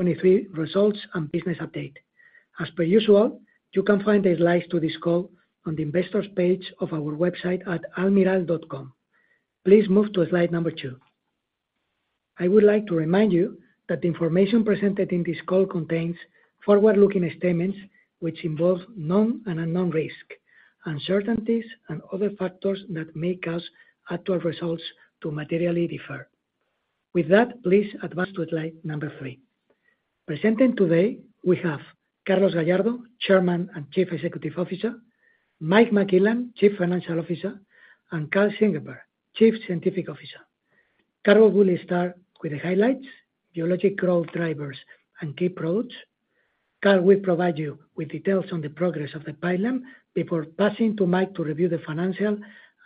2023 results and business update. As per usual, you can find the slides to this call on the Investors page of our website at almirall.com. Please move to slide number two. I would like to remind you that the information presented in this call contains forward-looking statements, which involve known and unknown risk, uncertainties, and other factors that make us actual results to materially differ. With that, please advance to slide number three. Presenting today, we have Carlos Gallardo, Chairman and Chief Executive Officer, Mike McClellan, Chief Financial Officer, and Karl Ziegelbauer, Chief Scientific Officer. Carlos will start with the highlights, biologic growth drivers, and key products. Karl will provide you with details on the progress of the pipeline before passing to Mike to review the financial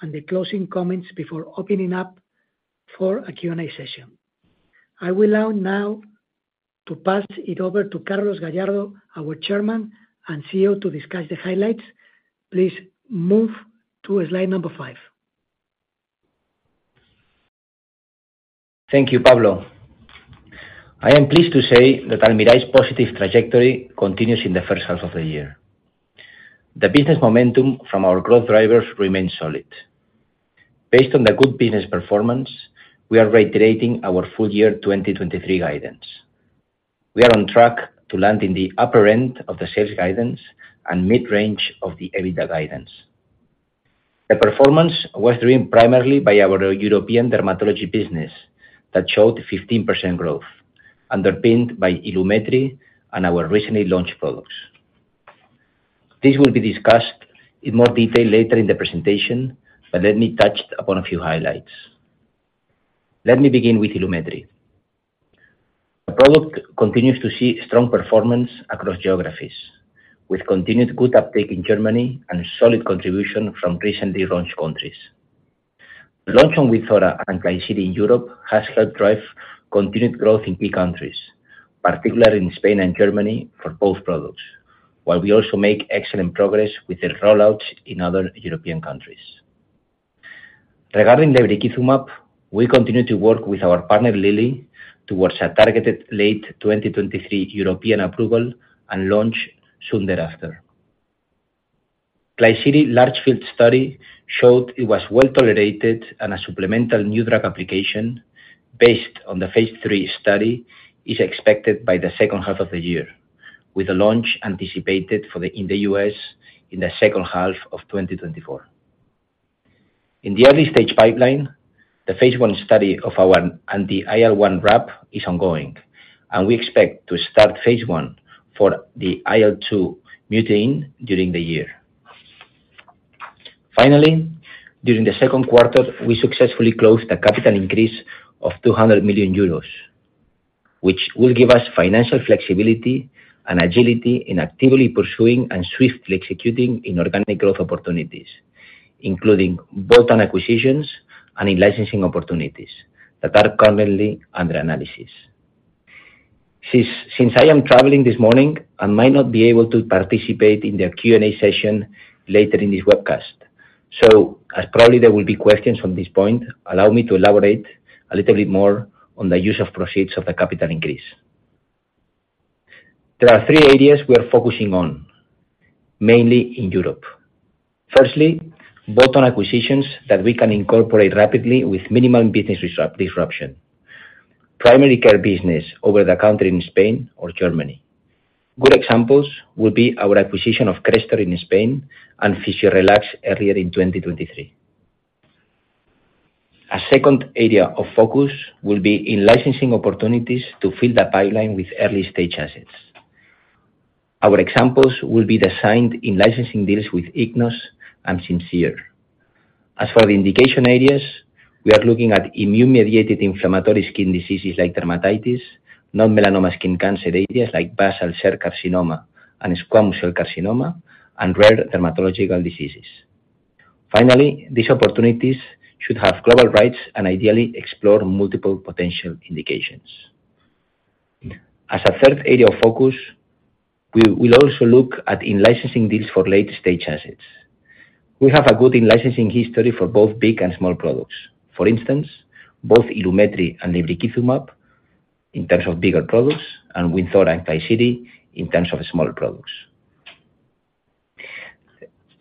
and the closing comments before opening up for a Q&A session. I will allow now to pass it over to Carlos Gallardo, our Chairman and CEO, to discuss the highlights. Please move to slide number five. Thank you, Pablo. I am pleased to say that Almirall's positive trajectory continues in the first half of the year. The business momentum from our growth drivers remains solid. Based on the good business performance, we are reiterating our full-year 2023 guidance. We are on track to land in the upper end of the sales guidance and mid-range of the EBITDA guidance. The performance was driven primarily by our European dermatology business, that showed 15% growth, underpinned by Ilumetri and our recently launched products. This will be discussed in more detail later in the presentation, but let me touch upon a few highlights. Let me begin with Ilumetri. The product continues to see strong performance across geographies, with continued good uptake in Germany and solid contribution from recently launched countries. The launch on Wynzora and Klisyri in Europe has helped drive continued growth in key countries, particularly in Spain and Germany, for both products, while we also make excellent progress with the rollouts in other European countries. Regarding lebrikizumab, we continue to work with our partner, Lilly, towards a targeted late 2023 European approval and launch soon thereafter. Klisyri large field study showed it was well tolerated, and a supplemental new drug application based on the phase III study is expected by the second half of the year, with the launch anticipated in the U.S. in the second half of 2024. In the early stage pipeline, the phase I study of our anti-IL-1RAP is ongoing, and we expect to start phase I for the IL-2 mutein during the year. Finally, during the second quarter, we successfully closed a capital increase of 200 million euros, which will give us financial flexibility and agility in actively pursuing and swiftly executing inorganic growth opportunities, including bolt-on acquisitions and in-licensing opportunities that are currently under analysis. Since I am traveling this morning, I might not be able to participate in the Q&A session later in this webcast. As probably there will be questions on this point, allow me to elaborate a little bit more on the use of proceeds of the capital increase. There are three areas we are focusing on, mainly in Europe. Firstly, bolt-on acquisitions that we can incorporate rapidly with minimum business disruption. Primary care business over the country in Spain or Germany. Good examples would be our acquisition of Crestor in Spain and Physiorelax earlier in 2023. A second area of focus will be in-licensing opportunities to fill the pipeline with early-stage assets. Our examples will be the signed in-licensing deals with Ichnos and Simcere. As for the indication areas, we are looking at immune-mediated inflammatory skin diseases like dermatitis, non-melanoma skin cancer areas like basal cell carcinoma and squamous cell carcinoma, and rare dermatological diseases. Finally, these opportunities should have global rights and ideally explore multiple potential indications. As a third area of focus, we will also look at in-licensing deals for late-stage assets. We have a good in-licensing history for both big and small products. For instance, both Ilumetri and lebrikizumab, in terms of bigger products, and Wynzora and Klisyri, in terms of smaller products.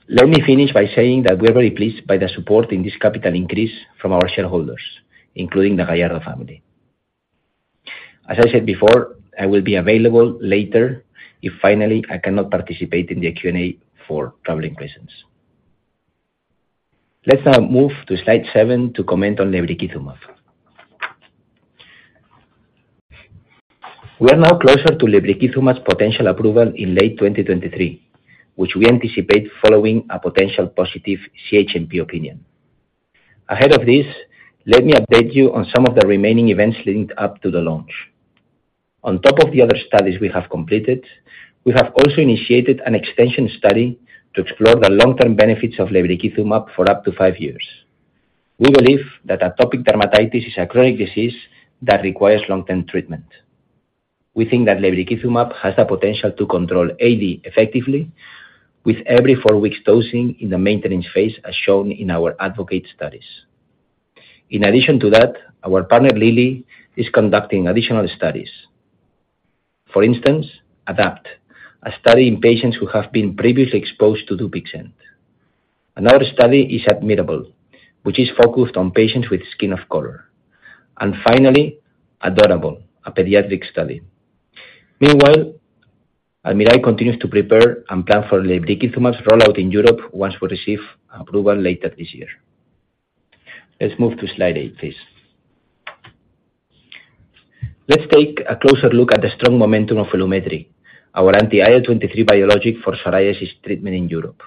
Let me finish by saying that we are very pleased by the support in this capital increase from our shareholders, including the Gallardo family. As I said before, I will be available later if finally, I cannot participate in the Q&A for traveling reasons. Let's now move to slide seven to comment on lebrikizumab. We are now closer to lebrikizumab's potential approval in late 2023, which we anticipate following a potential positive CHMP opinion. Ahead of this, let me update you on some of the remaining events leading up to the launch. On top of the other studies we have completed, we have also initiated an extension study to explore the long-term benefits of lebrikizumab for up to five years. We believe that atopic dermatitis is a chronic disease that requires long-term treatment. We think that lebrikizumab has the potential to control AD effectively, with every four weeks dosing in the maintenance phase, as shown in our ADvocate studies. In addition to that, our partner, Lilly, is conducting additional studies. For instance, ADapt, a study in patients who have been previously exposed to Dupixent. Another study is ADmirable, which is focused on patients with skin of color. Finally, ADorable, a pediatric study. Meanwhile, Almirall continues to prepare and plan for lebrikizumab's rollout in Europe once we receive approval later this year. Let's move to slide eight, please. Let's take a closer look at the strong momentum of Ilumetri, our anti-IL-23 biologic for psoriasis treatment in Europe.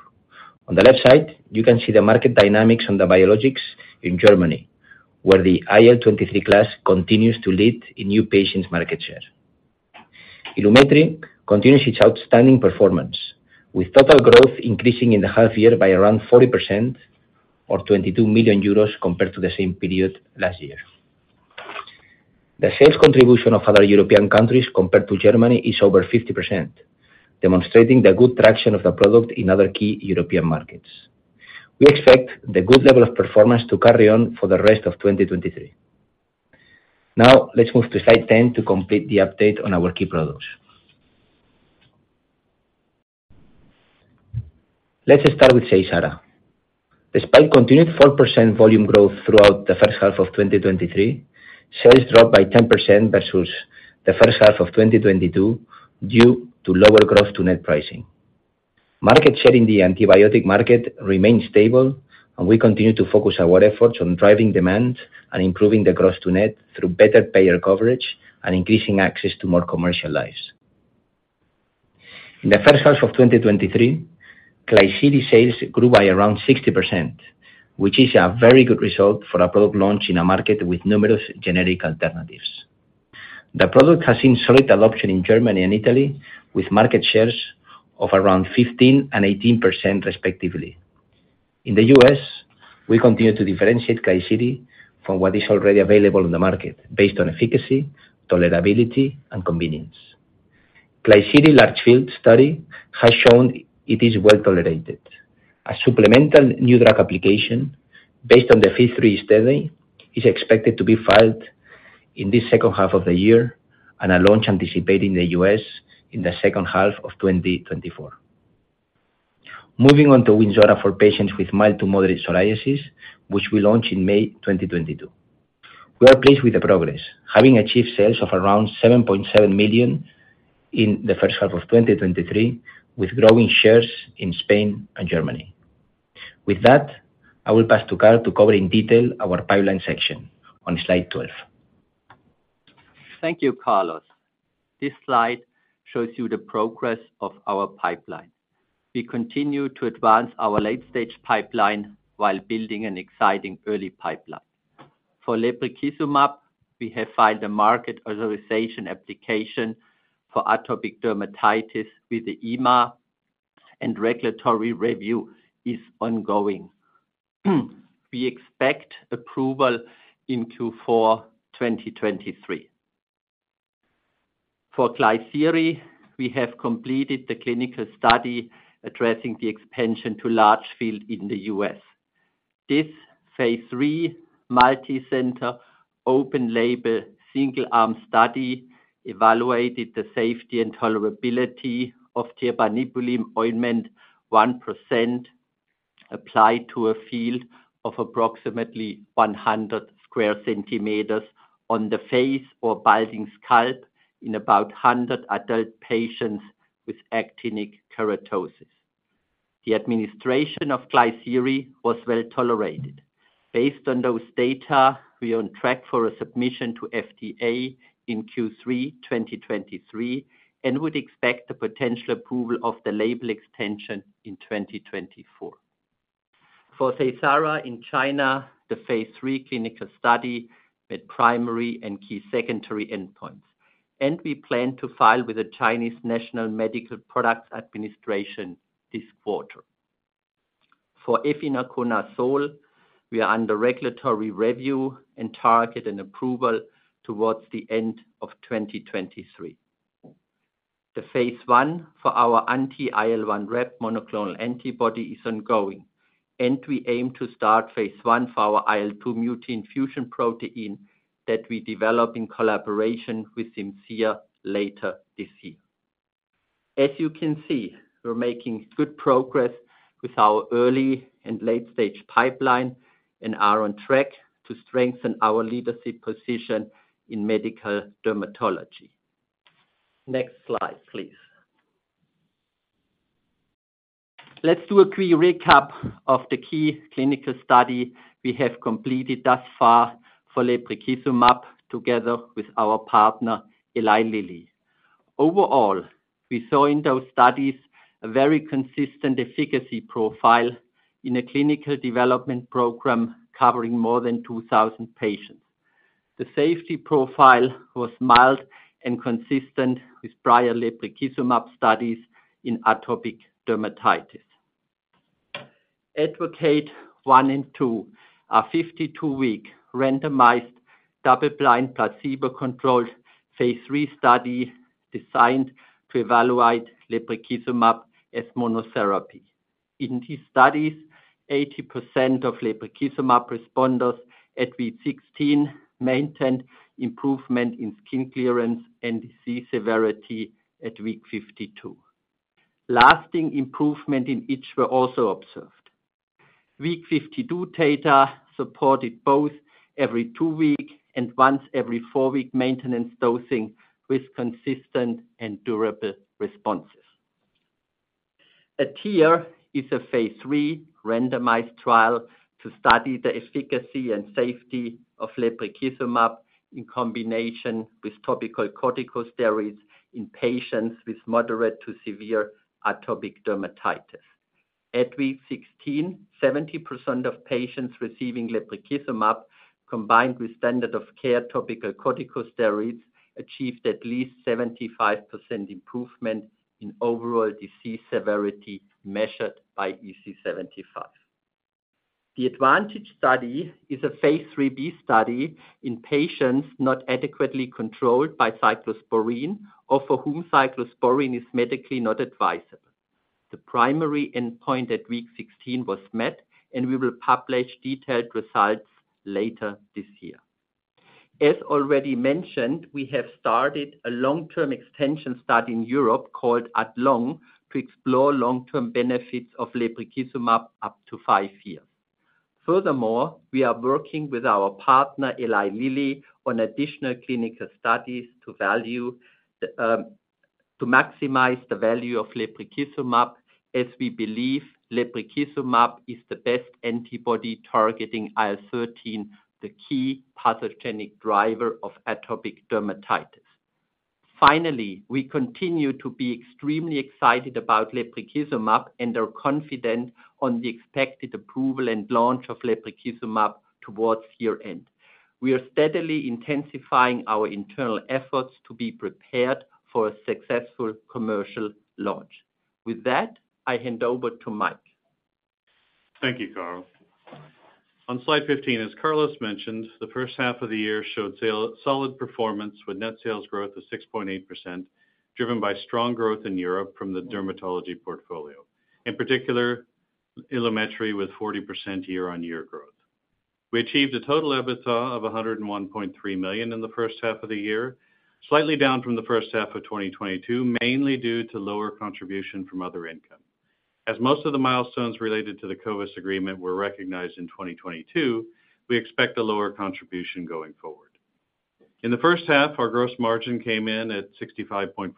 On the left side, you can see the market dynamics on the biologics in Germany, where the IL-23 class continues to lead in new patients' market share. Ilumetri continues its outstanding performance, with total growth increasing in the half year by around 40% or 22 million euros compared to the same period last year. The sales contribution of other European countries compared to Germany is over 50%, demonstrating the good traction of the product in other key European markets. We expect the good level of performance to carry on for the rest of 2023. Let's move to slide 10 to complete the update on our key products. Start with Seysara. Despite continued 4% volume growth throughout the first half of 2023, sales dropped by 10% versus the first half of 2022 due to lower gross-to-net pricing. Market share in the antibiotic market remains stable, we continue to focus our efforts on driving demand and improving the gross-to-net through better payer coverage and increasing access to more commercial lives. In the first half of 2023, Klisyri sales grew by around 60%, which is a very good result for a product launch in a market with numerous generic alternatives. The product has seen solid adoption in Germany and Italy, with market shares of around 15% and 18%, respectively. In the U.S., we continue to differentiate Klisyri from what is already available in the market based on efficacy, tolerability, and convenience. Klisyri large field study has shown it is well-tolerated. A supplemental new drug application based on the phase III study is expected to be filed in this second half of the year, and a launch anticipated in the U.S. in the second half of 2024. Moving on to Wynzora for patients with mild to moderate psoriasis, which we launched in May 2022. We are pleased with the progress, having achieved sales of around 7.7 million in the first half of 2023, with growing shares in Spain and Germany. With that, I will pass to Karl to cover in detail our pipeline section on slide 12. Thank you, Carlos. This slide shows you the progress of our pipeline. We continue to advance our late-stage pipeline while building an exciting early pipeline. For lebrikizumab, we have filed a marketing authorization application for atopic dermatitis with the EMA, regulatory review is ongoing. We expect approval in Q4 2023. For Klisyri, we have completed the clinical study addressing the expansion to large field in the U.S. This phase III multicenter, open label, single-arm study evaluated the safety and tolerability of tirbanibulin ointment 1%, applied to a field of approximately 100 sq cm on the face or balding scalp in about 100 adult patients with actinic keratosis. The administration of Klisyri was well tolerated. Based on those data, we are on track for a submission to FDA in Q3 2023, and would expect the potential approval of the label extension in 2024. For Seysara, in China, the phase III clinical study with primary and key secondary endpoints. We plan to file with the Chinese National Medical Products Administration this quarter. For efinaconazole, we are under regulatory review and target an approval towards the end of 2023. The phase I for our anti-IL-1RAP monoclonal antibody is ongoing. We aim to start phase I for our IL-2 mutant fusion protein that we develop in collaboration with Simcere later this year. As you can see, we're making good progress with our early and late stage pipeline and are on track to strengthen our leadership position in medical dermatology. Next slide, please. Let's do a quick recap of the key clinical study we have completed thus far for lebrikizumab, together with our partner, Eli Lilly. Overall, we saw in those studies a very consistent efficacy profile in a clinical development program covering more than 2,000 patients. The safety profile was mild and consistent with prior lebrikizumab studies in atopic dermatitis. ADvocate 1 and 2 are 52-week randomized, double-blind, placebo-controlled phase III study designed to evaluate lebrikizumab as monotherapy. In these studies, 80% of lebrikizumab responders at week 16, maintained improvement in skin clearance and disease severity at week 52. Lasting improvement in itch were also observed. Week 52 data supported both every two-week and once every four-week maintenance dosing, with consistent and durable responses. ADhere is a phase III randomized trial to study the efficacy and safety of lebrikizumab in combination with topical corticosteroids, in patients with moderate to severe atopic dermatitis. At week 16, 70% of patients receiving lebrikizumab, combined with standard of care topical corticosteroids, achieved at least 75% improvement in overall disease severity, measured by EASI-75. The ADvantage study is a phase III-B study in patients not adequately controlled by cyclosporine, or for whom cyclosporine is medically not advisable. The primary endpoint at week 16 was met. We will publish detailed results later this year. As already mentioned, we have started a long-term extension study in Europe, called ADlong, to explore long-term benefits of lebrikizumab up to five years. Furthermore, we are working with our partner, Eli Lilly, on additional clinical studies to value, to maximize the value of lebrikizumab, as we believe lebrikizumab is the best antibody targeting IL-13, the key pathogenic driver of atopic dermatitis. Finally, we continue to be extremely excited about lebrikizumab and are confident on the expected approval and launch of lebrikizumab towards year-end. We are steadily intensifying our internal efforts to be prepared for a successful commercial launch. With that, I hand over to Mike. Thank you, Karl. On slide 15, as Carlos mentioned, the first half of the year showed solid performance with net sales growth of 6.8%, driven by strong growth in Europe from the dermatology portfolio, in particular, Ilumetri, with 40% year-on-year growth. We achieved a total EBITDA of 101.3 million in the first half of the year, slightly down from the first half of 2022, mainly due to lower contribution from other income. Most of the milestones related to the Covis agreement were recognized in 2022, we expect a lower contribution going forward. In the first half, our gross margin came in at 65.4%,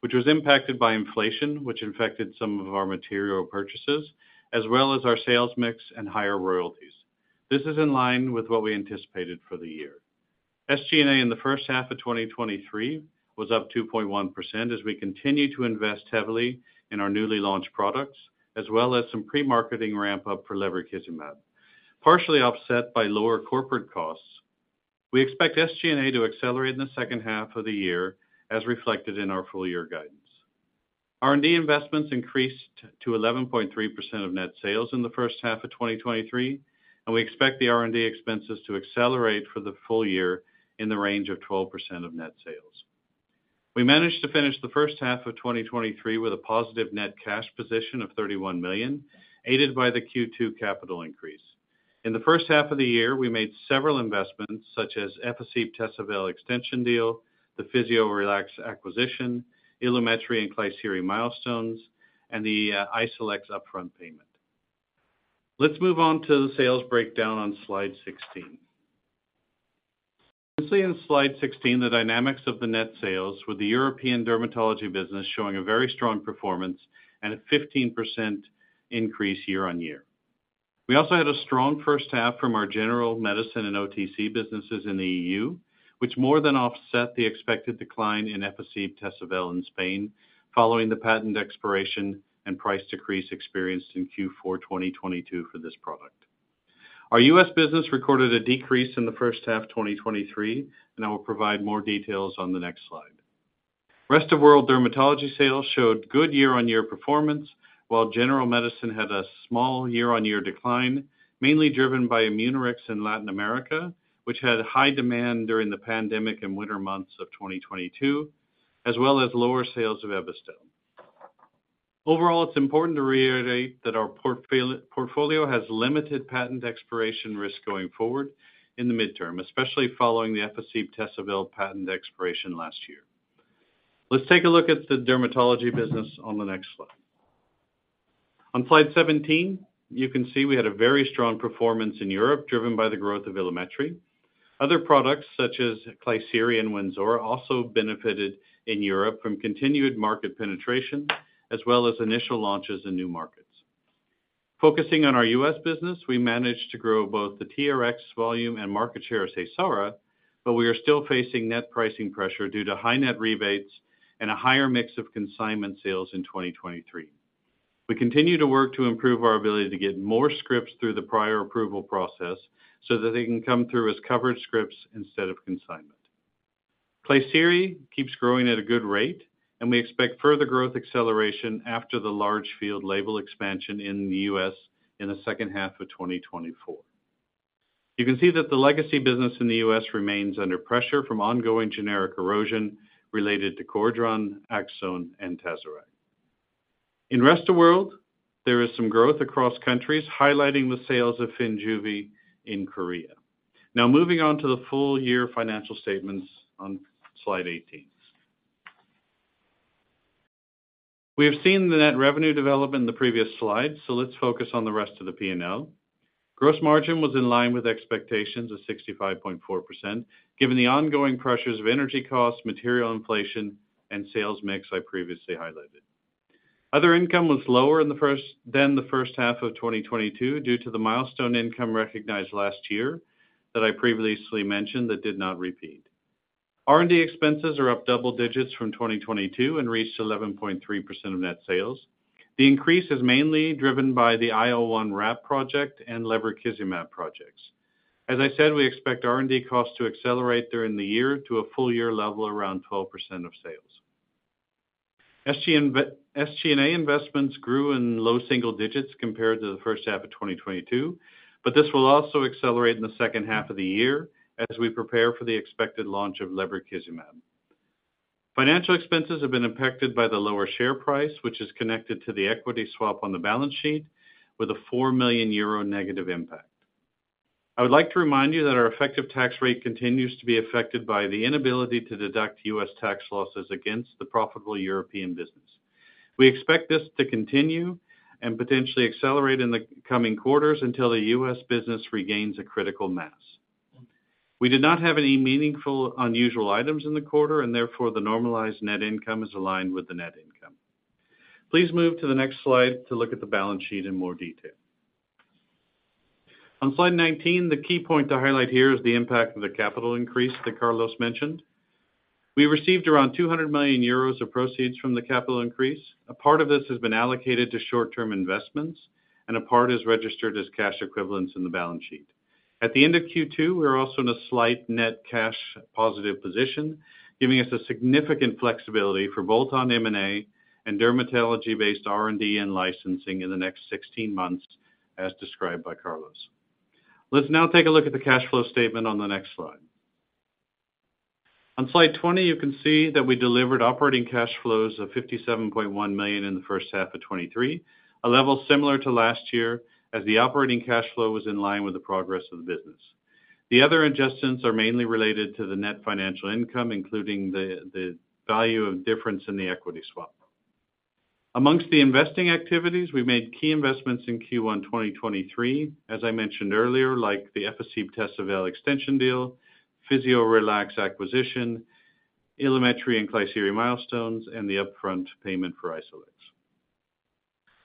which was impacted by inflation, which infected some of our material purchases, as well as our sales mix and higher royalties. This is in line with what we anticipated for the year. SG&A in the first half of 2023 was up 2.1%, as we continue to invest heavily in our newly launched products, as well as some pre-marketing ramp-up for lebrikizumab, partially offset by lower corporate costs. We expect SG&A to accelerate in the second half of the year, as reflected in our full-year guidance. R&D investments increased to 11.3% of net sales in the first half of 2023, and we expect the R&D expenses to accelerate for the full-year in the range of 12% of net sales. We managed to finish the first half of 2023 with a positive net cash position of 31 million, aided by the Q2 capital increase. In the first half of the year, we made several investments, such as Efficib/Tesavel extension deal, the Physiorelax acquisition, Ilumetri and Klisyri milestones, and the Isolex upfront payment. Let's move on to the sales breakdown on slide 16. You see in slide 16, the dynamics of the net sales with the European dermatology business showing a very strong performance and a 15% increase year-over-year. We also had a strong first half from our general medicine and OTC businesses in the EU, which more than offset the expected decline in Efficib/Tesavel in Spain, following the patent expiration and price decrease experienced in Q4 2022 for this product. Our US business recorded a decrease in the first half 2023, and I will provide more details on the next slide. Rest of world dermatology sales showed good year-on-year performance, while general medicine had a small year-on-year decline, mainly driven by Imunorix in Latin America, which had high demand during the pandemic in winter months of 2022, as well as lower sales of Ebastel. It's important to reiterate that our portfolio has limited patent expiration risk going forward in the midterm, especially following the Efficib/Tesavel patent expiration last year. Let's take a look at the dermatology business on the next slide. On slide 17, you can see we had a very strong performance in Europe, driven by the growth of Ilumetri. Other products, such as Klisyri and Wynzora, also benefited in Europe from continued market penetration, as well as initial launches in new markets. Focusing on our U.S. business, we managed to grow both the TRx volume and market share of Seysara, but we are still facing net pricing pressure due to high net rebates and a higher mix of consignment sales in 2023. We continue to work to improve our ability to get more scripts through the prior approval process so that they can come through as covered scripts instead of consignments. Klisyri keeps growing at a good rate, and we expect further growth acceleration after the large field label expansion in the U.S. in the second half of 2024. You can see that the legacy business in the U.S. remains under pressure from ongoing generic erosion related to Cordran, Aczone, and Tazorac. In rest of world, there is some growth across countries, highlighting the sales of Finjuve in Korea. Now moving on to the full-year financial statements on slide 18. We have seen the net revenue development in the previous slide, so let's focus on the rest of the P&L. Gross margin was in line with expectations of 65.4%, given the ongoing pressures of energy costs, material inflation, and sales mix I previously highlighted. Other income was lower than the first half of 2022, due to the milestone income recognized last year that I previously mentioned that did not repeat. R&D expenses are up double digits from 2022 and reached 11.3% of net sales. The increase is mainly driven by the IL-1RAP project and lebrikizumab projects. As I said, we expect R&D costs to accelerate during the year to a full-year level around 12% of sales. SG&A investments grew in low single digits compared to the first half of 2022. This will also accelerate in the second half of the year as we prepare for the expected launch of lebrikizumab. Financial expenses have been impacted by the lower share price, which is connected to the equity swap on the balance sheet with a -4 million euro impact. I would like to remind you that our effective tax rate continues to be affected by the inability to deduct U.S. tax losses against the profitable European business. We expect this to continue and potentially accelerate in the coming quarters until the U.S. business regains a critical mass. We did not have any meaningful, unusual items in the quarter, and therefore, the normalized net income is aligned with the net income. Please move to the next slide to look at the balance sheet in more detail. On slide 19, the key point to highlight here is the impact of the capital increase that Carlos mentioned. We received around 200 million euros of proceeds from the capital increase. A part of this has been allocated to short-term investments, and a part is registered as cash equivalents in the balance sheet. At the end of Q2, we are also in a slight net cash positive position, giving us a significant flexibility for both on M&A and dermatology-based R&D and licensing in the next 16 months, as described by Carlos. Let's now take a look at the cash flow statement on the next slide. On slide 20, you can see that we delivered operating cash flows of 57.1 million in the first half of 2023, a level similar to last year, as the operating cash flow was in line with the progress of the business. The other adjustments are mainly related to the net financial income, including the value of difference in the equity swap. Amongst the investing activities, we made key investments in Q1 2023, as I mentioned earlier, like the Efficib/Tesavel extension deal, Physiorelax acquisition, Ilumetri and Klisyri milestones, and the upfront payment for Isolex.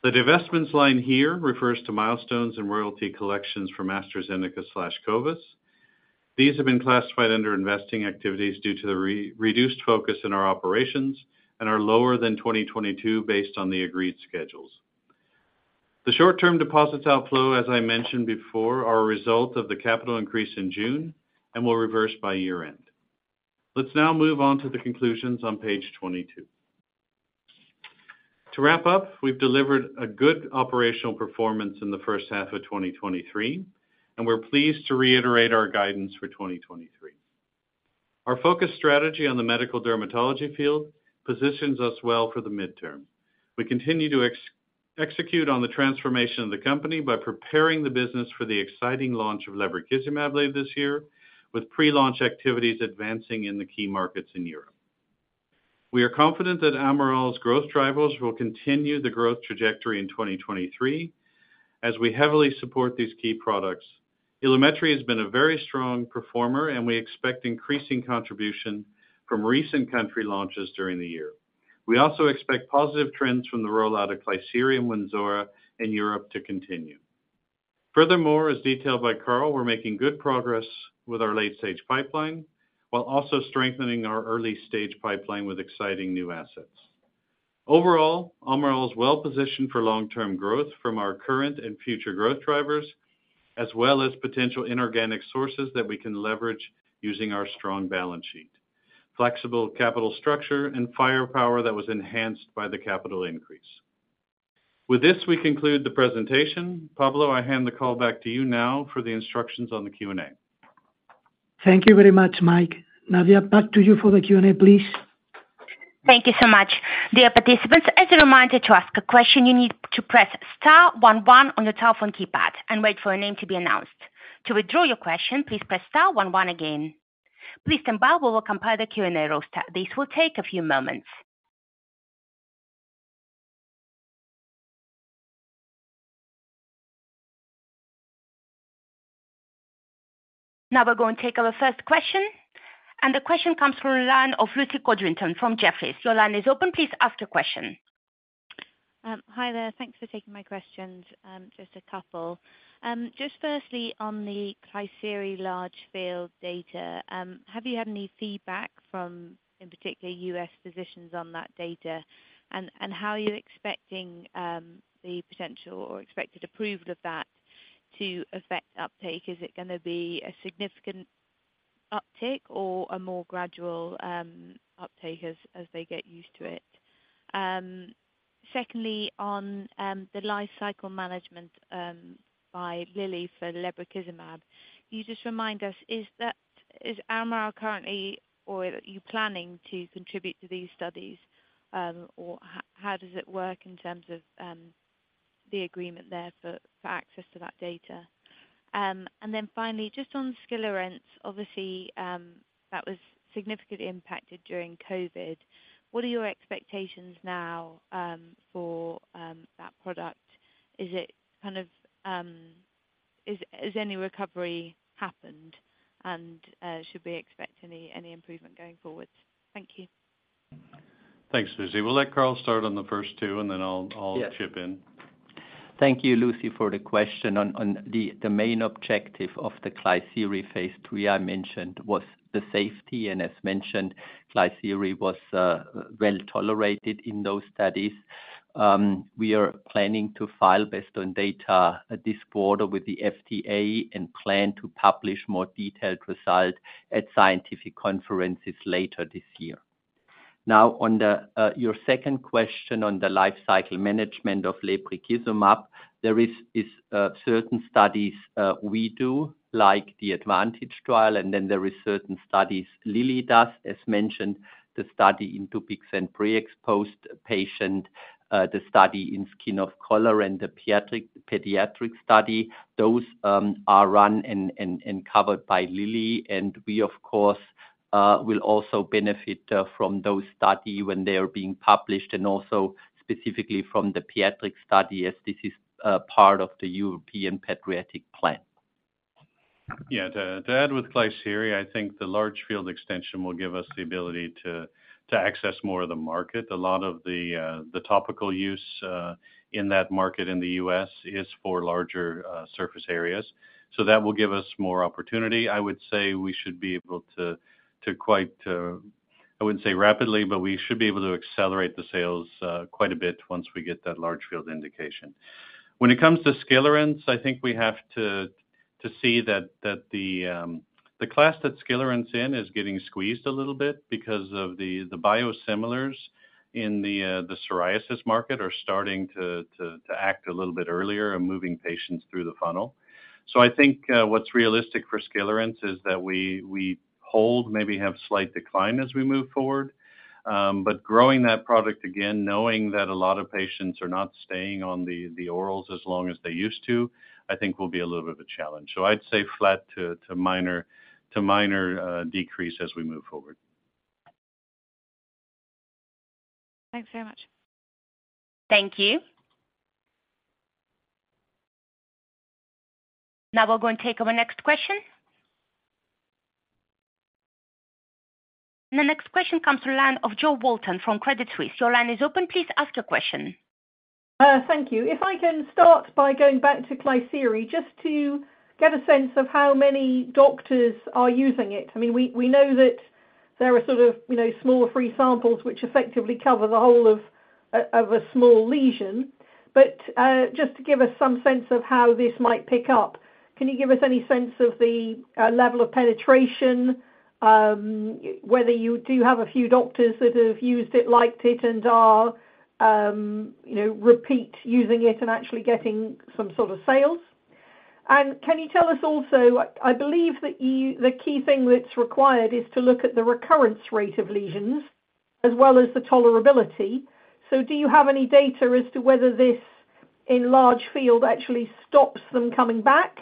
The divestments line here refers to milestones and royalty collections from AstraZeneca/Covis. These have been classified under investing activities due to the reduced focus in our operations and are lower than 2022 based on the agreed schedules. The short-term deposits outflow, as I mentioned before, are a result of the capital increase in June and will reverse by year-end. Let's now move on to the conclusions on page 22. To wrap up, we've delivered a good operational performance in the first half of 2023, and we're pleased to reiterate our guidance for 2023. Our focus strategy on the medical dermatology field positions us well for the midterm. We continue to execute on the transformation of the company by preparing the business for the exciting launch of lebrikizumab later this year, with pre-launch activities advancing in the key markets in Europe. We are confident that Almirall's growth drivers will continue the growth trajectory in 2023 as we heavily support these key products. Ilumetri has been a very strong performer, and we expect increasing contribution from recent country launches during the year. We also expect positive trends from the rollout of Klisyri and Wynzora in Europe to continue. As detailed by Karl, we're making good progress with our late-stage pipeline, while also strengthening our early-stage pipeline with exciting new assets. Almirall is well-positioned for long-term growth from our current and future growth drivers, as well as potential inorganic sources that we can leverage using our strong balance sheet, flexible capital structure, and firepower that was enhanced by the capital increase. With this, we conclude the presentation. Pablo, I hand the call back to you now for the instructions on the Q&A. Thank you very much, Mike. Nadia, back to you for the Q&A, please. Thank you so much. Dear participants, as a reminder to ask a question, you need to press star one one on your telephone keypad and wait for a name to be announced. To withdraw your question, please press star one one again. Please stand by, we will compile the Q&A roster. This will take a few moments. We're going to take our first question. The question comes from the line of Lucy Codrington, from Jefferies. Your line is open. Please ask your question. Hi there. Thanks for taking my questions, just a couple. Just firstly, on the Klisyri large field data, have you had any feedback from, in particular, U.S. physicians on that data? How are you expecting the potential or expected approval of that to affect uptake, is it going to be a significant uptick or a more gradual uptake as they get used to it? Secondly, on the life cycle management by Lilly for lebrikizumab, can you just remind us, is Almirall currently, or are you planning to contribute to these studies? How does it work in terms of the agreement there for access to that data? Finally, just on Skilarence, obviously, that was significantly impacted during COVID. What are your expectations now for that product? Is it kind of, has any recovery happened? Should we expect any improvement going forward? Thank you. Thanks, Lucy. We'll let Karl start on the first two. Yes. I'll chip in. Thank you, Lucy, for the question. On the main objective of the Klisyri phase III, I mentioned, was the safety, and as mentioned, Klisyri was well tolerated in those studies. We are planning to file based on data this quarter with the FDA and plan to publish more detailed results at scientific conferences later this year. On your second question on the life cycle management of lebrikizumab, there is certain studies we do, like the ADvantage trial, and then there is certain studies Lilly does, as mentioned, the study in atopic and pre-exposed patient, the study in skin of color and the pediatric study. Those are run and covered by Lilly, and we, of course, will also benefit from those study when they are being published and also specifically from the pediatric study, as this is part of the European pediatric plan. Yeah, to add with Klisyri, I think the large field extension will give us the ability to access more of the market. A lot of the topical use in that market in the U.S. is for larger surface areas. That will give us more opportunity. I would say we should be able to quite, I wouldn't say rapidly, but we should be able to accelerate the sales quite a bit once we get that large field indication. When it comes to Skilarence, I think we have to see that the class that Skilarence in is getting squeezed a little bit because of the biosimilars in the psoriasis market are starting to act a little bit earlier and moving patients through the funnel. I think what's realistic for Skilarence is that we hold, maybe have slight decline as we move forward. Growing that product again, knowing that a lot of patients are not staying on the orals as long as they used to, I think will be a little bit of a challenge. I'd say flat to minor decrease as we move forward. Thanks very much. Thank you. Now we're going to take our next question. The next question comes to the line of Jo Walton from Credit Suisse. Your line is open. Please ask your question. Thank you. If I can start by going back to Klisyri, just to get a sense of how many doctors are using it. I mean, we know that there are sort of, you know, small free samples which effectively cover the whole of a small lesion. Just to give us some sense of how this might pick up, can you give us any sense of the level of penetration, whether you do have a few doctors that have used it, liked it, and are, you know, repeat using it and actually getting some sort of sales? Can you tell us also, I believe that the key thing that's required is to look at the recurrence rate of lesions as well as the tolerability. Do you have any data as to whether this, in large field, actually stops them coming back?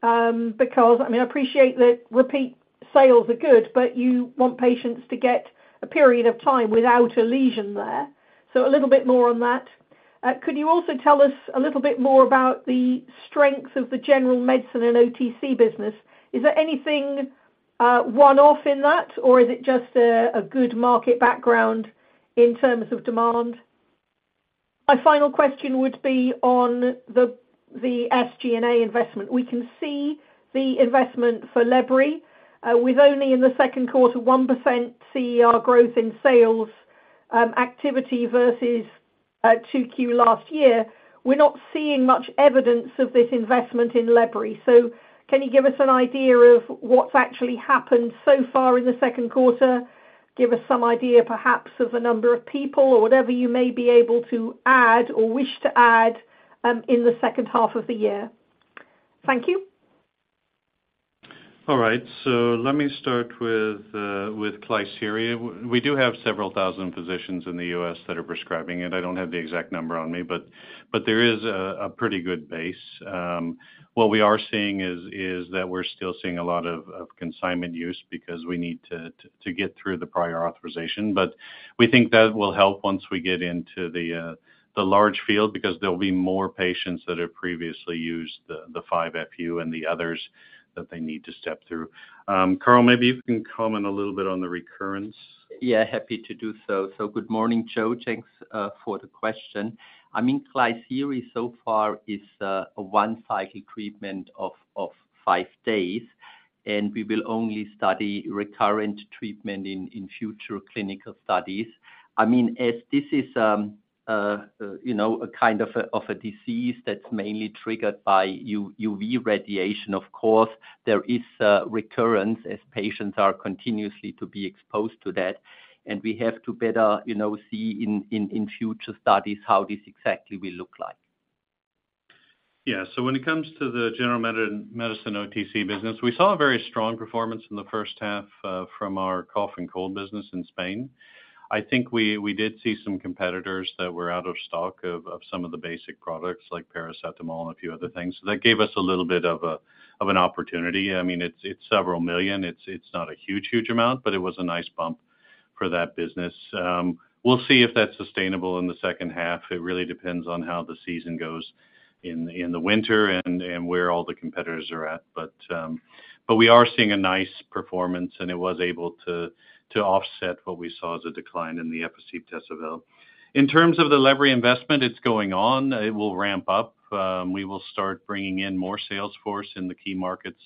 because, I mean, I appreciate that repeat sales are good, but you want patients to get a period of time without a lesion there. A little bit more on that. Could you also tell us a little bit more about the strength of the general medicine and OTC business? Is there anything, one-off in that, or is it just a good market background in terms of demand? My final question would be on the SG&A investment. We can see the investment for lebri. With only in the second quarter, 1% CER growth in sales, activity versus 2Q last year. We're not seeing much evidence of this investment in lebri. Can you give us an idea of what's actually happened so far in the second quarter? Give us some idea, perhaps, of the number of people or whatever you may be able to add or wish to add in the second half of the year. Thank you. All right. Let me start with Klisyri. We do have several thousand physicians in the U.S. that are prescribing it. I don't have the exact number on me, but there is a pretty good base. What we are seeing is that we're still seeing a lot of consignment use because we need to get through the prior authorization. We think that will help once we get into the large field, because there will be more patients that have previously used the 5-FU and the others that they need to step through. Karl, maybe you can comment a little bit on the recurrence. Yeah, happy to do so. Good morning, Jo. Thanks for the question. I mean, Klisyri so far is a one-cycle treatment of five days. We will only study recurrent treatment in future clinical studies. I mean, as this is, you know, a kind of a disease that's mainly triggered by UV radiation, of course, there is recurrence as patients are continuously to be exposed to that, and we have to better, you know, see in future studies how this exactly will look like. When it comes to the general medicine OTC business, we saw a very strong performance in the first half from our cough and cold business in Spain. I think we did see some competitors that were out of stock of some of the basic products like paracetamol and a few other things. That gave us a little bit of an opportunity. I mean, it's several million. It's not a huge amount, but it was a nice bump for that business. We'll see if that's sustainable in the second half. It really depends on how the season goes in the winter and where all the competitors are at. We are seeing a nice performance, and it was able to offset what we saw as a decline in the Efficib/Tesavel. In terms of the lebri investment, it's going on. It will ramp up. We will start bringing in more sales force in the key markets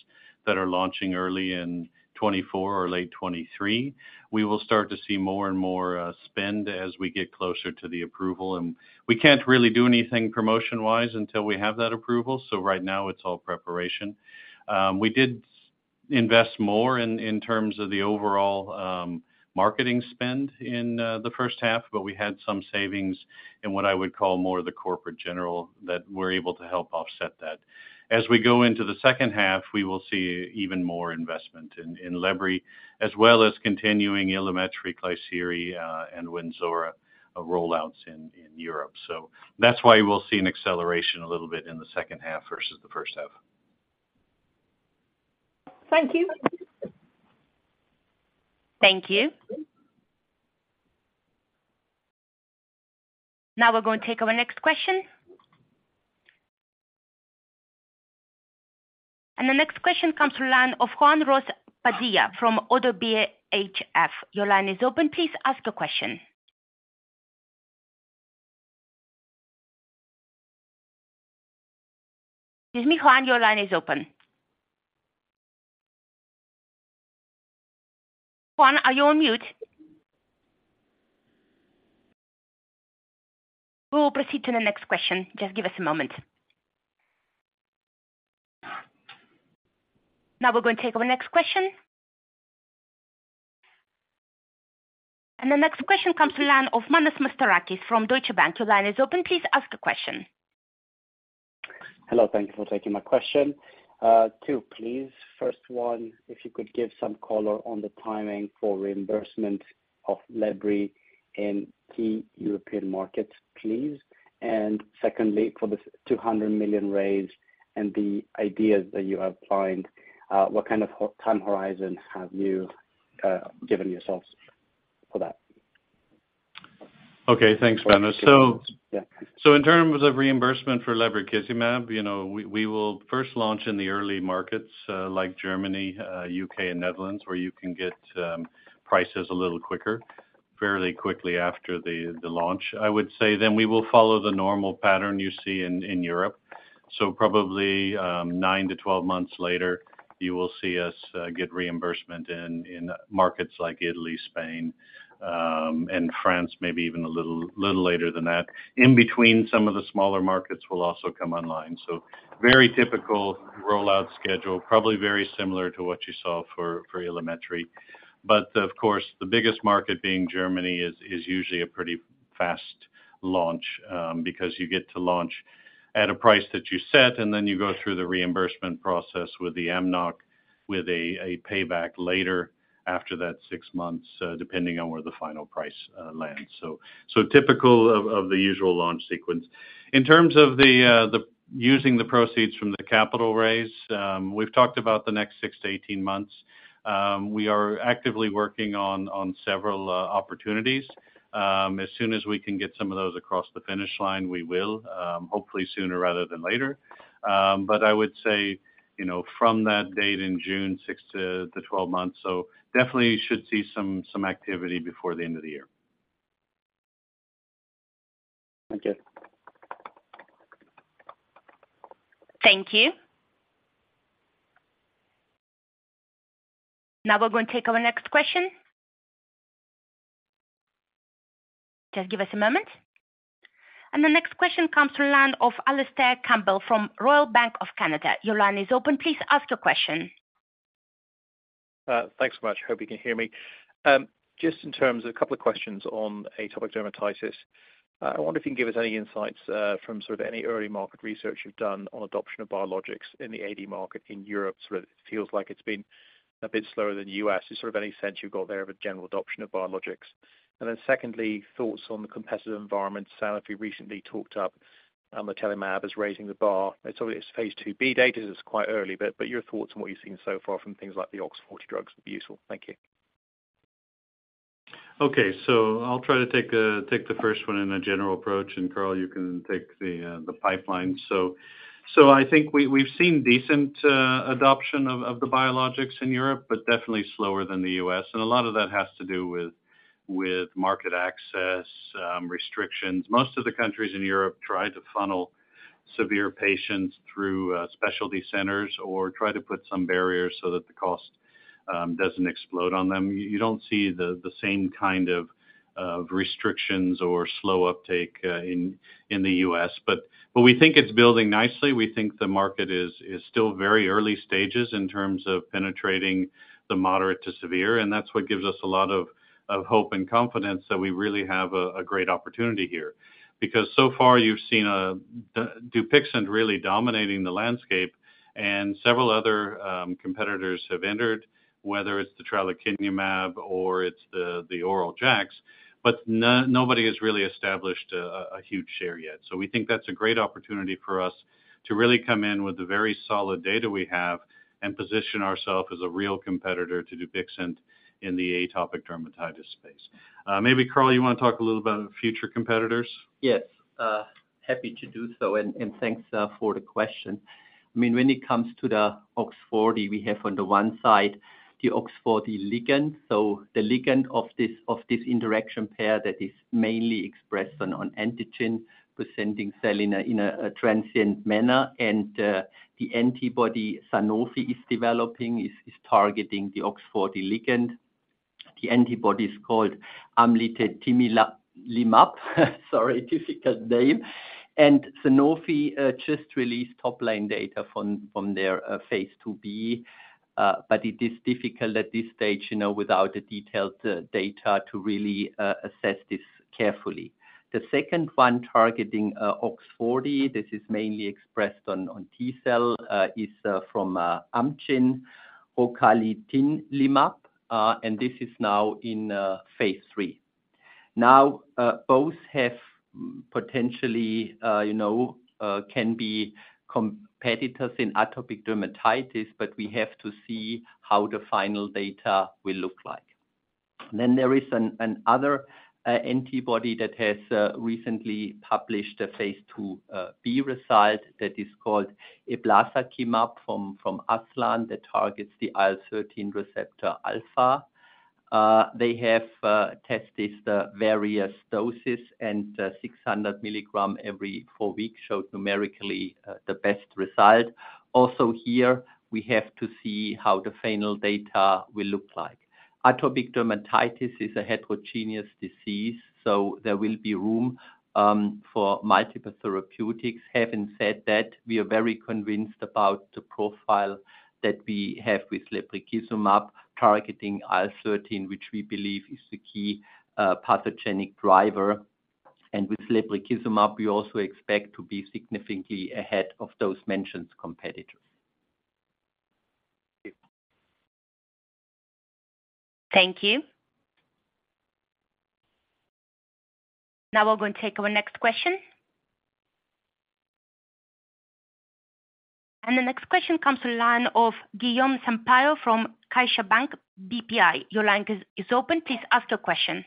that are launching early in 2024 or late 2023. We will start to see more and more spend as we get closer to the approval, and we can't really do anything promotion-wise until we have that approval. Right now, it's all preparation. We did invest more in terms of the overall marketing spend in the first half, but we had some savings in what I would call more of the corporate general, that we're able to help offset that. As we go into the second half, we will see even more investment in lebri, as well as continuing Ilumetri, Klisyri, and Wynzora rollouts in Europe. That's why we'll see an acceleration a little bit in the second half versus the first half. Thank you. Thank you. Now we're going to take our next question. The next question comes to the line of Juan Ros Padilla from ODDO BHF. Your line is open. Please ask a question. Excuse me, Juan, your line is open. Juan, are you on mute? We'll proceed to the next question. Just give us a moment. Now we're going to take our next question. The next question comes to the line of Manos Mastorakis from Deutsche Bank. Your line is open. Please ask a question. Hello. Thank you for taking my question. Two, please. First one, if you could give some color on the timing for reimbursement of lebri in key European markets, please. Secondly, for the 200 million raise and the ideas that you have planned, what kind of time horizon have you given yourselves for that? Okay, thanks, Manos. Yeah. In terms of reimbursement for lebrikizumab, you know, we will first launch in the early markets, like Germany, U.K., and Netherlands, where you can get prices a little quicker, fairly quickly after the launch. I would say then we will follow the normal pattern you see in Europe. Probably nine to 12 months later, you will see us get reimbursement in markets like Italy, Spain, and France, maybe even a little later than that. In between, some of the smaller markets will also come online. Very typical rollout schedule, probably very similar to what you saw for Ilumetri. Of course, the biggest market being Germany is usually a pretty fast launch, because you get to launch at a price that you set, and then you go through the reimbursement process with the AMNOG, with a payback later after that six months, depending on where the final price lands. Typical of the usual launch sequence. In terms of the using the proceeds from the capital raise, we've talked about the next six to 18 months. We are actively working on several opportunities. As soon as we can get some of those across the finish line, we will hopefully sooner rather than later. I would say, you know, from that date in June, six to 12 months. Definitely you should see some activity before the end of the year. Thank you. Thank you. Now we're going to take our next question. Just give us a moment. The next question comes to the line of Alistair Campbell from Royal Bank of Canada. Your line is open. Please ask your question. Thanks so much. Hope you can hear me. Just in terms of a couple of questions on atopic dermatitis, I wonder if you can give us any insights from sort of any early market research you've done on adoption of biologics in the AD market in Europe. Sort of feels like it's been a bit slower than U.S.. Just sort of any sense you've got there of a general adoption of biologics. Secondly, thoughts on the competitive environment. Sanofi recently talked up amlitelimab as raising the bar. It's obviously it's phase II-B data, this is quite early, but your thoughts on what you've seen so far from things like the OX40 drugs would be useful. Thank you. I'll try to take the first one in a general approach, and, Karl, you can take the pipeline. I think we've seen decent adoption of the biologics in Europe, but definitely slower than the U.S., and a lot of that has to do with market access restrictions. Most of the countries in Europe try to funnel severe patients through specialty centers or try to put some barriers so that the cost doesn't explode on them. You don't see the same kind of restrictions or slow uptake in the U.S. We think it's building nicely. We think the market is still very early stages in terms of penetrating the moderate to severe, and that's what gives us a lot of hope and confidence that we really have a great opportunity here. Because so far, you've seen Dupixent really dominating the landscape, and several other competitors have entered, whether it's the tralokinumab or it's the oral JAKs, but nobody has really established a huge share yet. We think that's a great opportunity for us to really come in with the very solid data we have and position ourself as a real competitor to Dupixent in the atopic dermatitis space. Maybe, Karl, you want to talk a little about future competitors? Yes, happy to do so, thanks for the question. I mean, when it comes to the OX40, we have on the one side, the OX40 ligand, so the ligand of this interaction pair that is mainly expressed on antigen-presenting cell in a transient manner. The antibody Sanofi is developing is targeting the OX40 ligand. The antibody is called amlitelimab, sorry, difficult name. Sanofi just released top-line data from their phase II-B, but it is difficult at this stage, you know, without the detailed data to really assess this carefully. The second one, targeting OX40, this is mainly expressed on T-cell, is from Amgen, rocatinlimab, this is now in phase III. Both have potentially, you know, can be competitors in atopic dermatitis, but we have to see how the final data will look like. There is another antibody that has recently published a phase II-B result that is called eblasakimab from ASLAN that targets the IL-13 receptor alpha. They have tested various doses, and 600 mg every four weeks showed numerically the best result. Here, we have to see how the final data will look like. Atopic dermatitis is a heterogeneous disease, so there will be room for multiple therapeutics. Having said that, we are very convinced about the profile that we have with lebrikizumab, targeting IL-13, which we believe is the key pathogenic driver. With lebrikizumab, we also expect to be significantly ahead of those mentioned competitors. Thank you. Thank you. Now we're going to take our next question. The next question comes to line of Guilherme Sampaio from CaixaBank BPI. Your line is open. Please ask your question.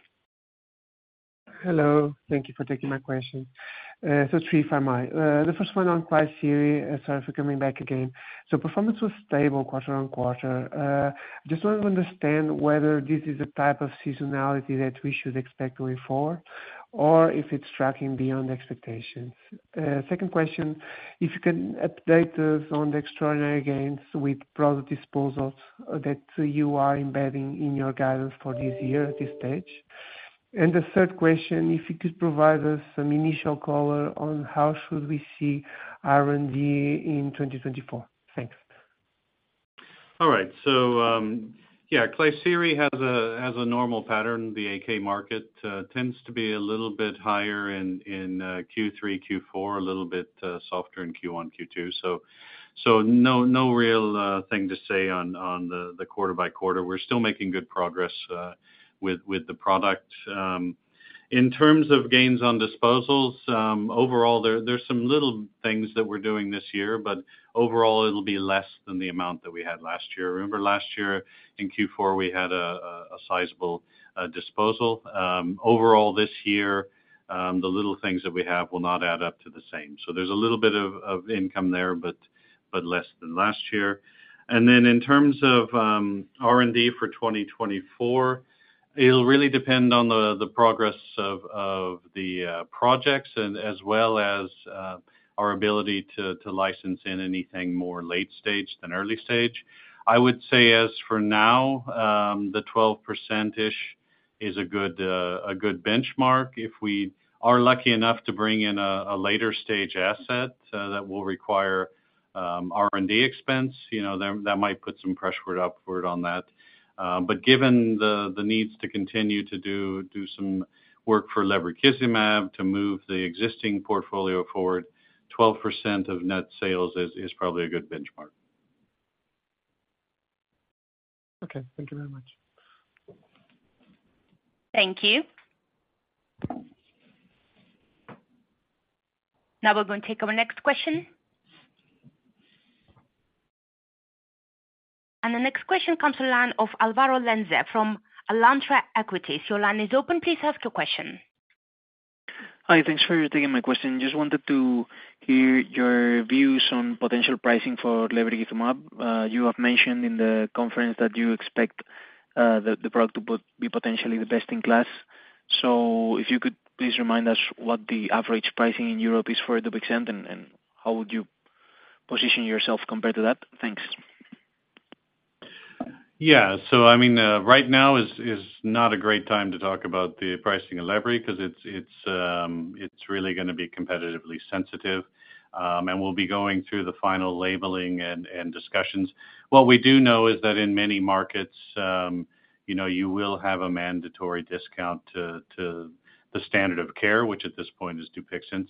Hello, thank you for taking my question. Three if I may. The first one on Klisyri, sorry for coming back again. Performance was stable quarter-on-quarter. Just want to understand whether this is the type of seasonality that we should expect going forward, or if it's tracking beyond expectations. Second question, if you can update us on the extraordinary gains with product disposals that you are embedding in your guidance for this year at this stage. The third question, if you could provide us some initial color on how should we see R&D in 2024? Thanks. All right. Yeah, Klisyri has a normal pattern. The AK market tends to be a little bit higher in Q3, Q4, a little bit softer in Q1, Q2. No real thing to say on the quarter-by-quarter. We're still making good progress with the product. In terms of gains on disposals, overall, there's some little things that we're doing this year, overall it'll be less than the amount that we had last year. Remember, last year in Q4, we had a sizable disposal. Overall this year, the little things that we have will not add up to the same. There's a little bit of income there, but less than last year. In terms of R&D for 2024, it'll really depend on the progress of the projects and as well as our ability to license in anything more late stage than early stage. I would say as for now, the 12%-ish is a good benchmark. If we are lucky enough to bring in a later stage asset, that will require R&D expense, you know, that might put some pressure upward on that. Given the needs to continue to do some work for lebrikizumab, to move the existing portfolio forward, 12% of net sales is probably a good benchmark. Okay, thank you very much. Thank you. Now we're going to take our next question. The next question comes to the line of Álvaro Lenze from Alantra Equities. Your line is open, please ask your question. Hi, thanks for taking my question. Just wanted to hear your views on potential pricing for Lebrikizumab. You have mentioned in the conference that you expect the product to be potentially the best-in-class. If you could please remind us what the average pricing in Europe is for Dupixent, and how would you position yourself compared to that? Thanks. I mean, right now is not a great time to talk about the pricing of lebri, because it's really gonna be competitively sensitive, and we'll be going through the final labeling and discussions. What we do know is that in many markets, you know, you will have a mandatory discount to the standard of care, which at this point is Dupixent.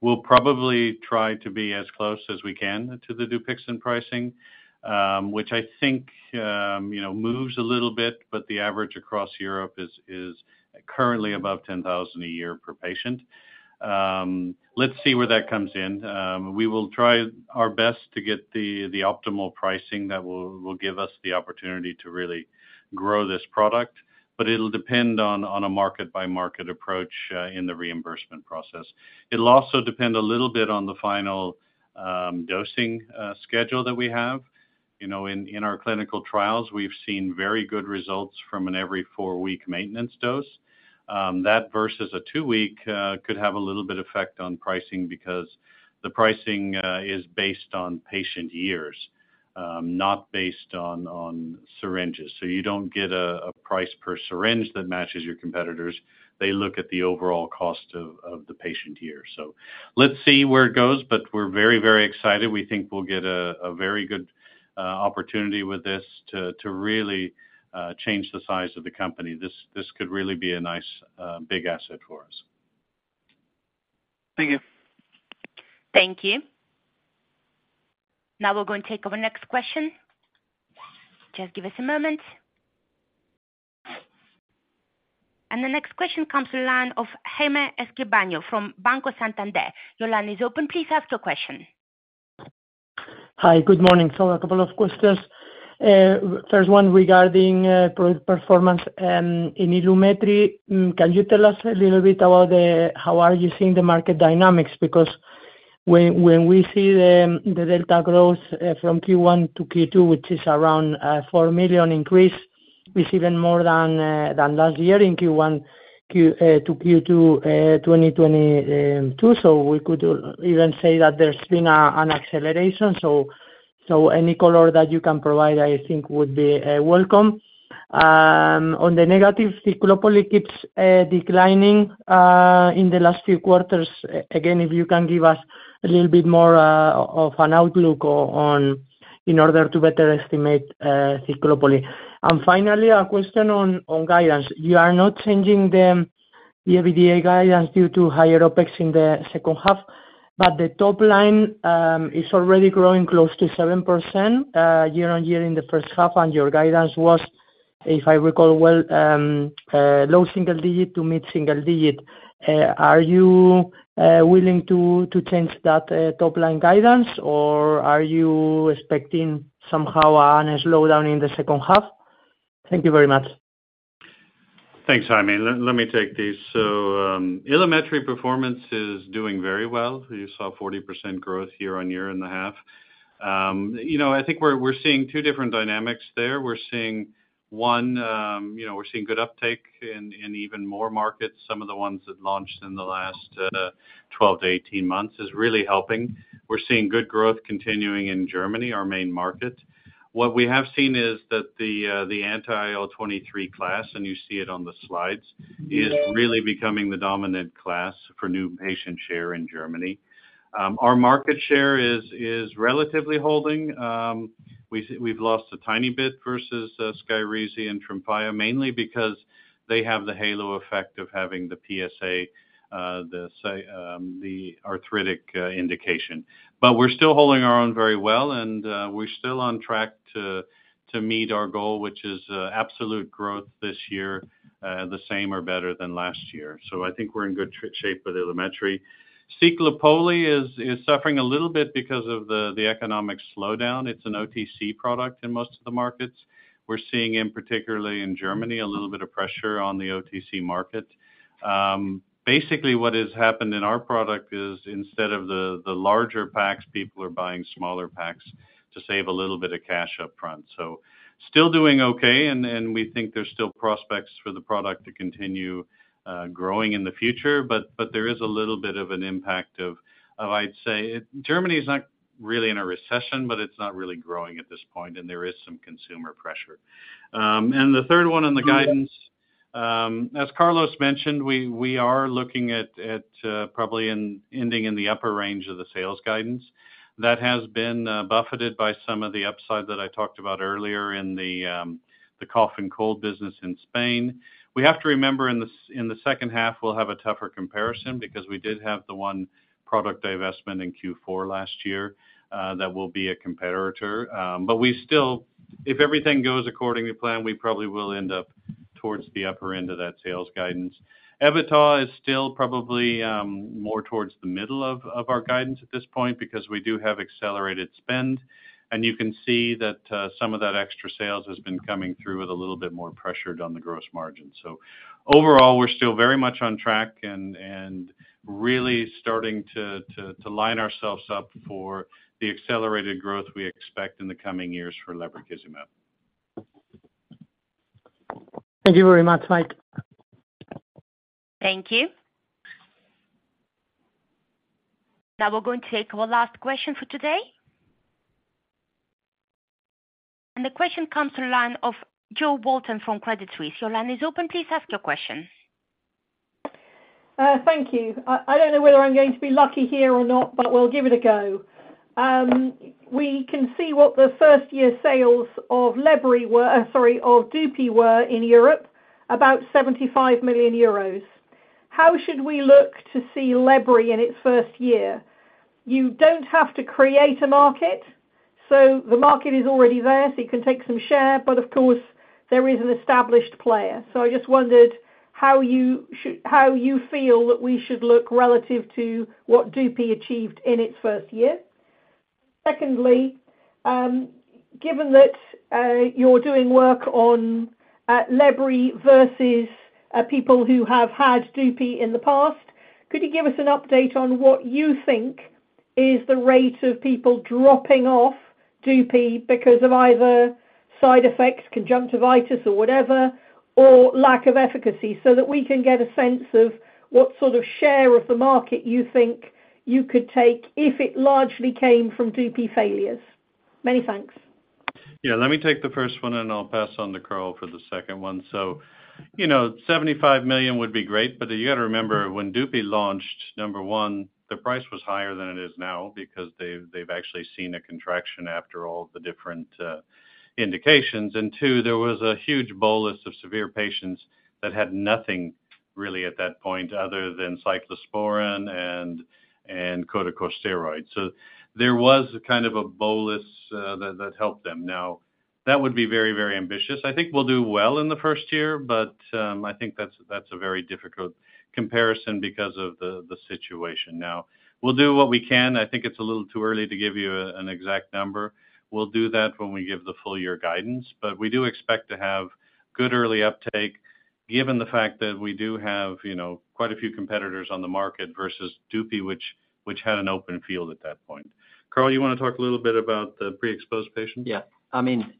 We'll probably try to be as close as we can to the Dupixent pricing, which I think, you know, moves a little bit, but the average across Europe is currently above 10,000 a year per patient. Let's see where that comes in. We will try our best to get the optimal pricing that will give us the opportunity to really grow this product, but it'll depend on a market-by-market approach in the reimbursement process. It'll also depend a little bit on the final dosing schedule that we have. You know, in our clinical trials, we've seen very good results from an every four-week maintenance dose. That versus a two-week could have a little bit effect on pricing because the pricing is based on patient years, not based on syringes. You don't get a price per syringe that matches your competitors'. They look at the overall cost of the patient here. Let's see where it goes, but we're very, very excited. We think we'll get a very good opportunity with this to really change the size of the company. This could really be a nice big asset for us. Thank you. Thank you. Now we're going to take our next question. Just give us a moment. The next question comes to the line of Jaime Escribano from Banco Santander. Your line is open. Please ask your question. Hi, good morning. A couple of questions. First one regarding product performance in Ilumetri. Can you tell us a little bit about how are you seeing the market dynamics? When we see the delta growth from Q1 to Q2, which is around 4 million increase, it's even more than last year in Q1 to Q2 2022. We could even say that there's been an acceleration. Any color that you can provide, I think would be welcome. On the negative, Ciclopoli keeps declining in the last few quarters. Again, if you can give us a little bit more of an outlook on, in order to better estimate Ciclopoli. Finally, a question on guidance. You are not changing the EBITDA guidance due to higher OpEx in the second half, but the top-line is already growing close to 7% year-on-year in the first half, and your guidance was, if I recall well, low single-digit to mid-single-digit. Are you willing to change that top-line guidance, or are you expecting somehow a slowdown in the second half? Thank you very much. Thanks, Jaime. Let me take these. Ilumetri performance is doing very well. You saw 40% growth year-on-year in the half. You know, I think we're seeing two different dynamics there. We're seeing one, you know, we're seeing good uptake in even more markets. Some of the ones that launched in the last 12 to 18 months is really helping. We're seeing good growth continuing in Germany, our main market. What we have seen is that the anti-IL-23 class, and you see it on the slides, is really becoming the dominant class for new patient share in Germany. Our market share is relatively holding. We've lost a tiny bit versus Skyrizi and Tremfya, mainly because they have the halo effect of having the PSA, the arthritic indication. We're still holding our own very well, and we're still on track to meet our goal, which is absolute growth this year, the same or better than last year. I think we're in good shape with Ilumetri. Ciclopoli is suffering a little bit because of the economic slowdown. It's an OTC product in most of the markets. We're seeing, in particularly in Germany, a little bit of pressure on the OTC market. Basically, what has happened in our product is instead of the larger packs, people are buying smaller packs to save a little bit of cash upfront. Still doing okay, and we think there's still prospects for the product to continue, growing in the future, but there is a little bit of an impact of, I'd say. Germany is not really in a recession, but it's not really growing at this point, and there is some consumer pressure. The third one on the guidance, as Carlos mentioned, we are looking at probably ending in the upper range of the sales guidance. That has been buffeted by some of the upside that I talked about earlier in the cough and cold business in Spain. We have to remember in the second half, we'll have a tougher comparison because we did have the one product divestment in Q4 last year, that will be a competitor. If everything goes according to plan, we probably will end up towards the upper end of that sales guidance. EBITDA is still probably more towards the middle of our guidance at this point because we do have accelerated spend. You can see that some of that extra sales has been coming through with a little bit more pressure on the gross margin. Overall, we're still very much on track and really starting to line ourselves up for the accelerated growth we expect in the coming years for lebrikizumab. Thank you very much, Mike. Thank you. Now we're going to take our last question for today. The question comes through the line of Jo Walton from Credit Suisse. Your line is open. Please ask your question. Thank you. I don't know whether I'm going to be lucky here or not, we'll give it a go. We can see what the first year sales of lebri were, sorry, of Dupi were in Europe, about 75 million euros. How should we look to see lebri in its first year? You don't have to create a market, so the market is already there, so you can take some share, but of course, there is an established player. I just wondered how you feel that we should look relative to what Dupi achieved in its first year? Secondly, given that you're doing work on lebri versus people who have had Dupi in the past, could you give us an update on what you think is the rate of people dropping off Dupi because of either side effects, conjunctivitis or whatever, or lack of efficacy, so that we can get a sense of what sort of share of the market you think you could take if it largely came from Dupi failures? Many thanks. Yeah, let me take the first one, and I'll pass on to Karl for the second one. You know, 75 million would be great, but you got to remember, when Dupi launched, number one, the price was higher than it is now because they've actually seen a contraction after all the different indications. Two, there was a huge bolus of severe patients that had nothing really at that point other than cyclosporine and corticosteroids. There was kind of a bolus that helped them. Now, that would be very, very ambitious. I think we'll do well in the first year, but I think that's a very difficult comparison because of the situation. Now, we'll do what we can. I think it's a little too early to give you an exact number. We'll do that when we give the full-year guidance, but we do expect to have good early uptake given the fact that we do have, you know, quite a few competitors on the market versus Dupi, which had an open field at that point. Karl, you want to talk a little bit about the pre-exposed patients? Yeah. I mean,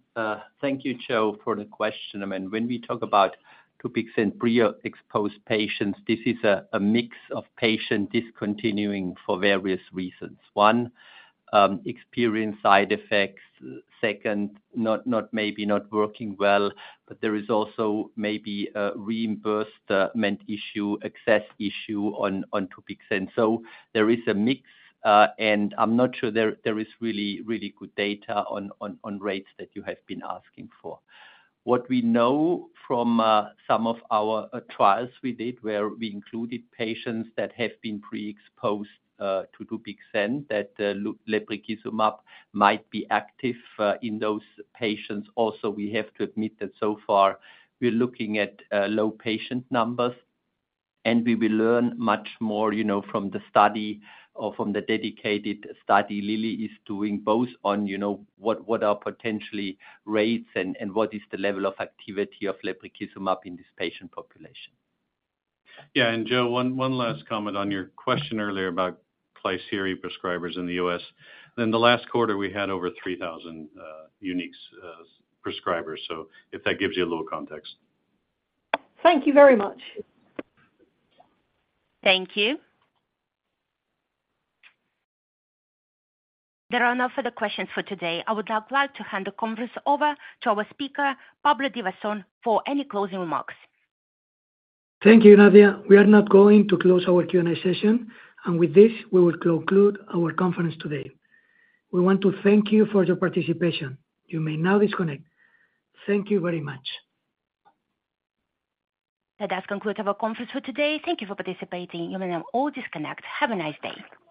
thank you, Jo, for the question. I mean, when we talk about Dupixent pre-exposed patients, this is a mix of patient discontinuing for various reasons. One, experience side effects. Second, not maybe not working well, but there is also maybe a reimbursement issue, access issue on Dupixent. There is a mix, and I'm not sure there is really good data on rates that you have been asking for. What we know from some of our trials we did, where we included patients that have been pre-exposed to Dupixent, that lebrikizumab might be active in those patients. We have to admit that so far, we're looking at low patient numbers, and we will learn much more, you know, from the study or from the dedicated study Lilly is doing both on, you know, what are potentially rates and what is the level of activity of lebrikizumab in this patient population. Yeah, Jo, one last comment on your question earlier about Klisyri prescribers in the U.S. In the last quarter, we had over 3,000 unique prescribers. If that gives you a little context. Thank you very much. Thank you. There are no further questions for today. I would now like to hand the conference over to our speaker, Pablo Divasson, for any closing remarks. Thank you, Nadia. We are now going to close our Q&A session, and with this, we will conclude our conference today. We want to thank you for your participation. You may now disconnect. Thank you very much. That does conclude our conference for today. Thank you for participating. You may now all disconnect. Have a nice day.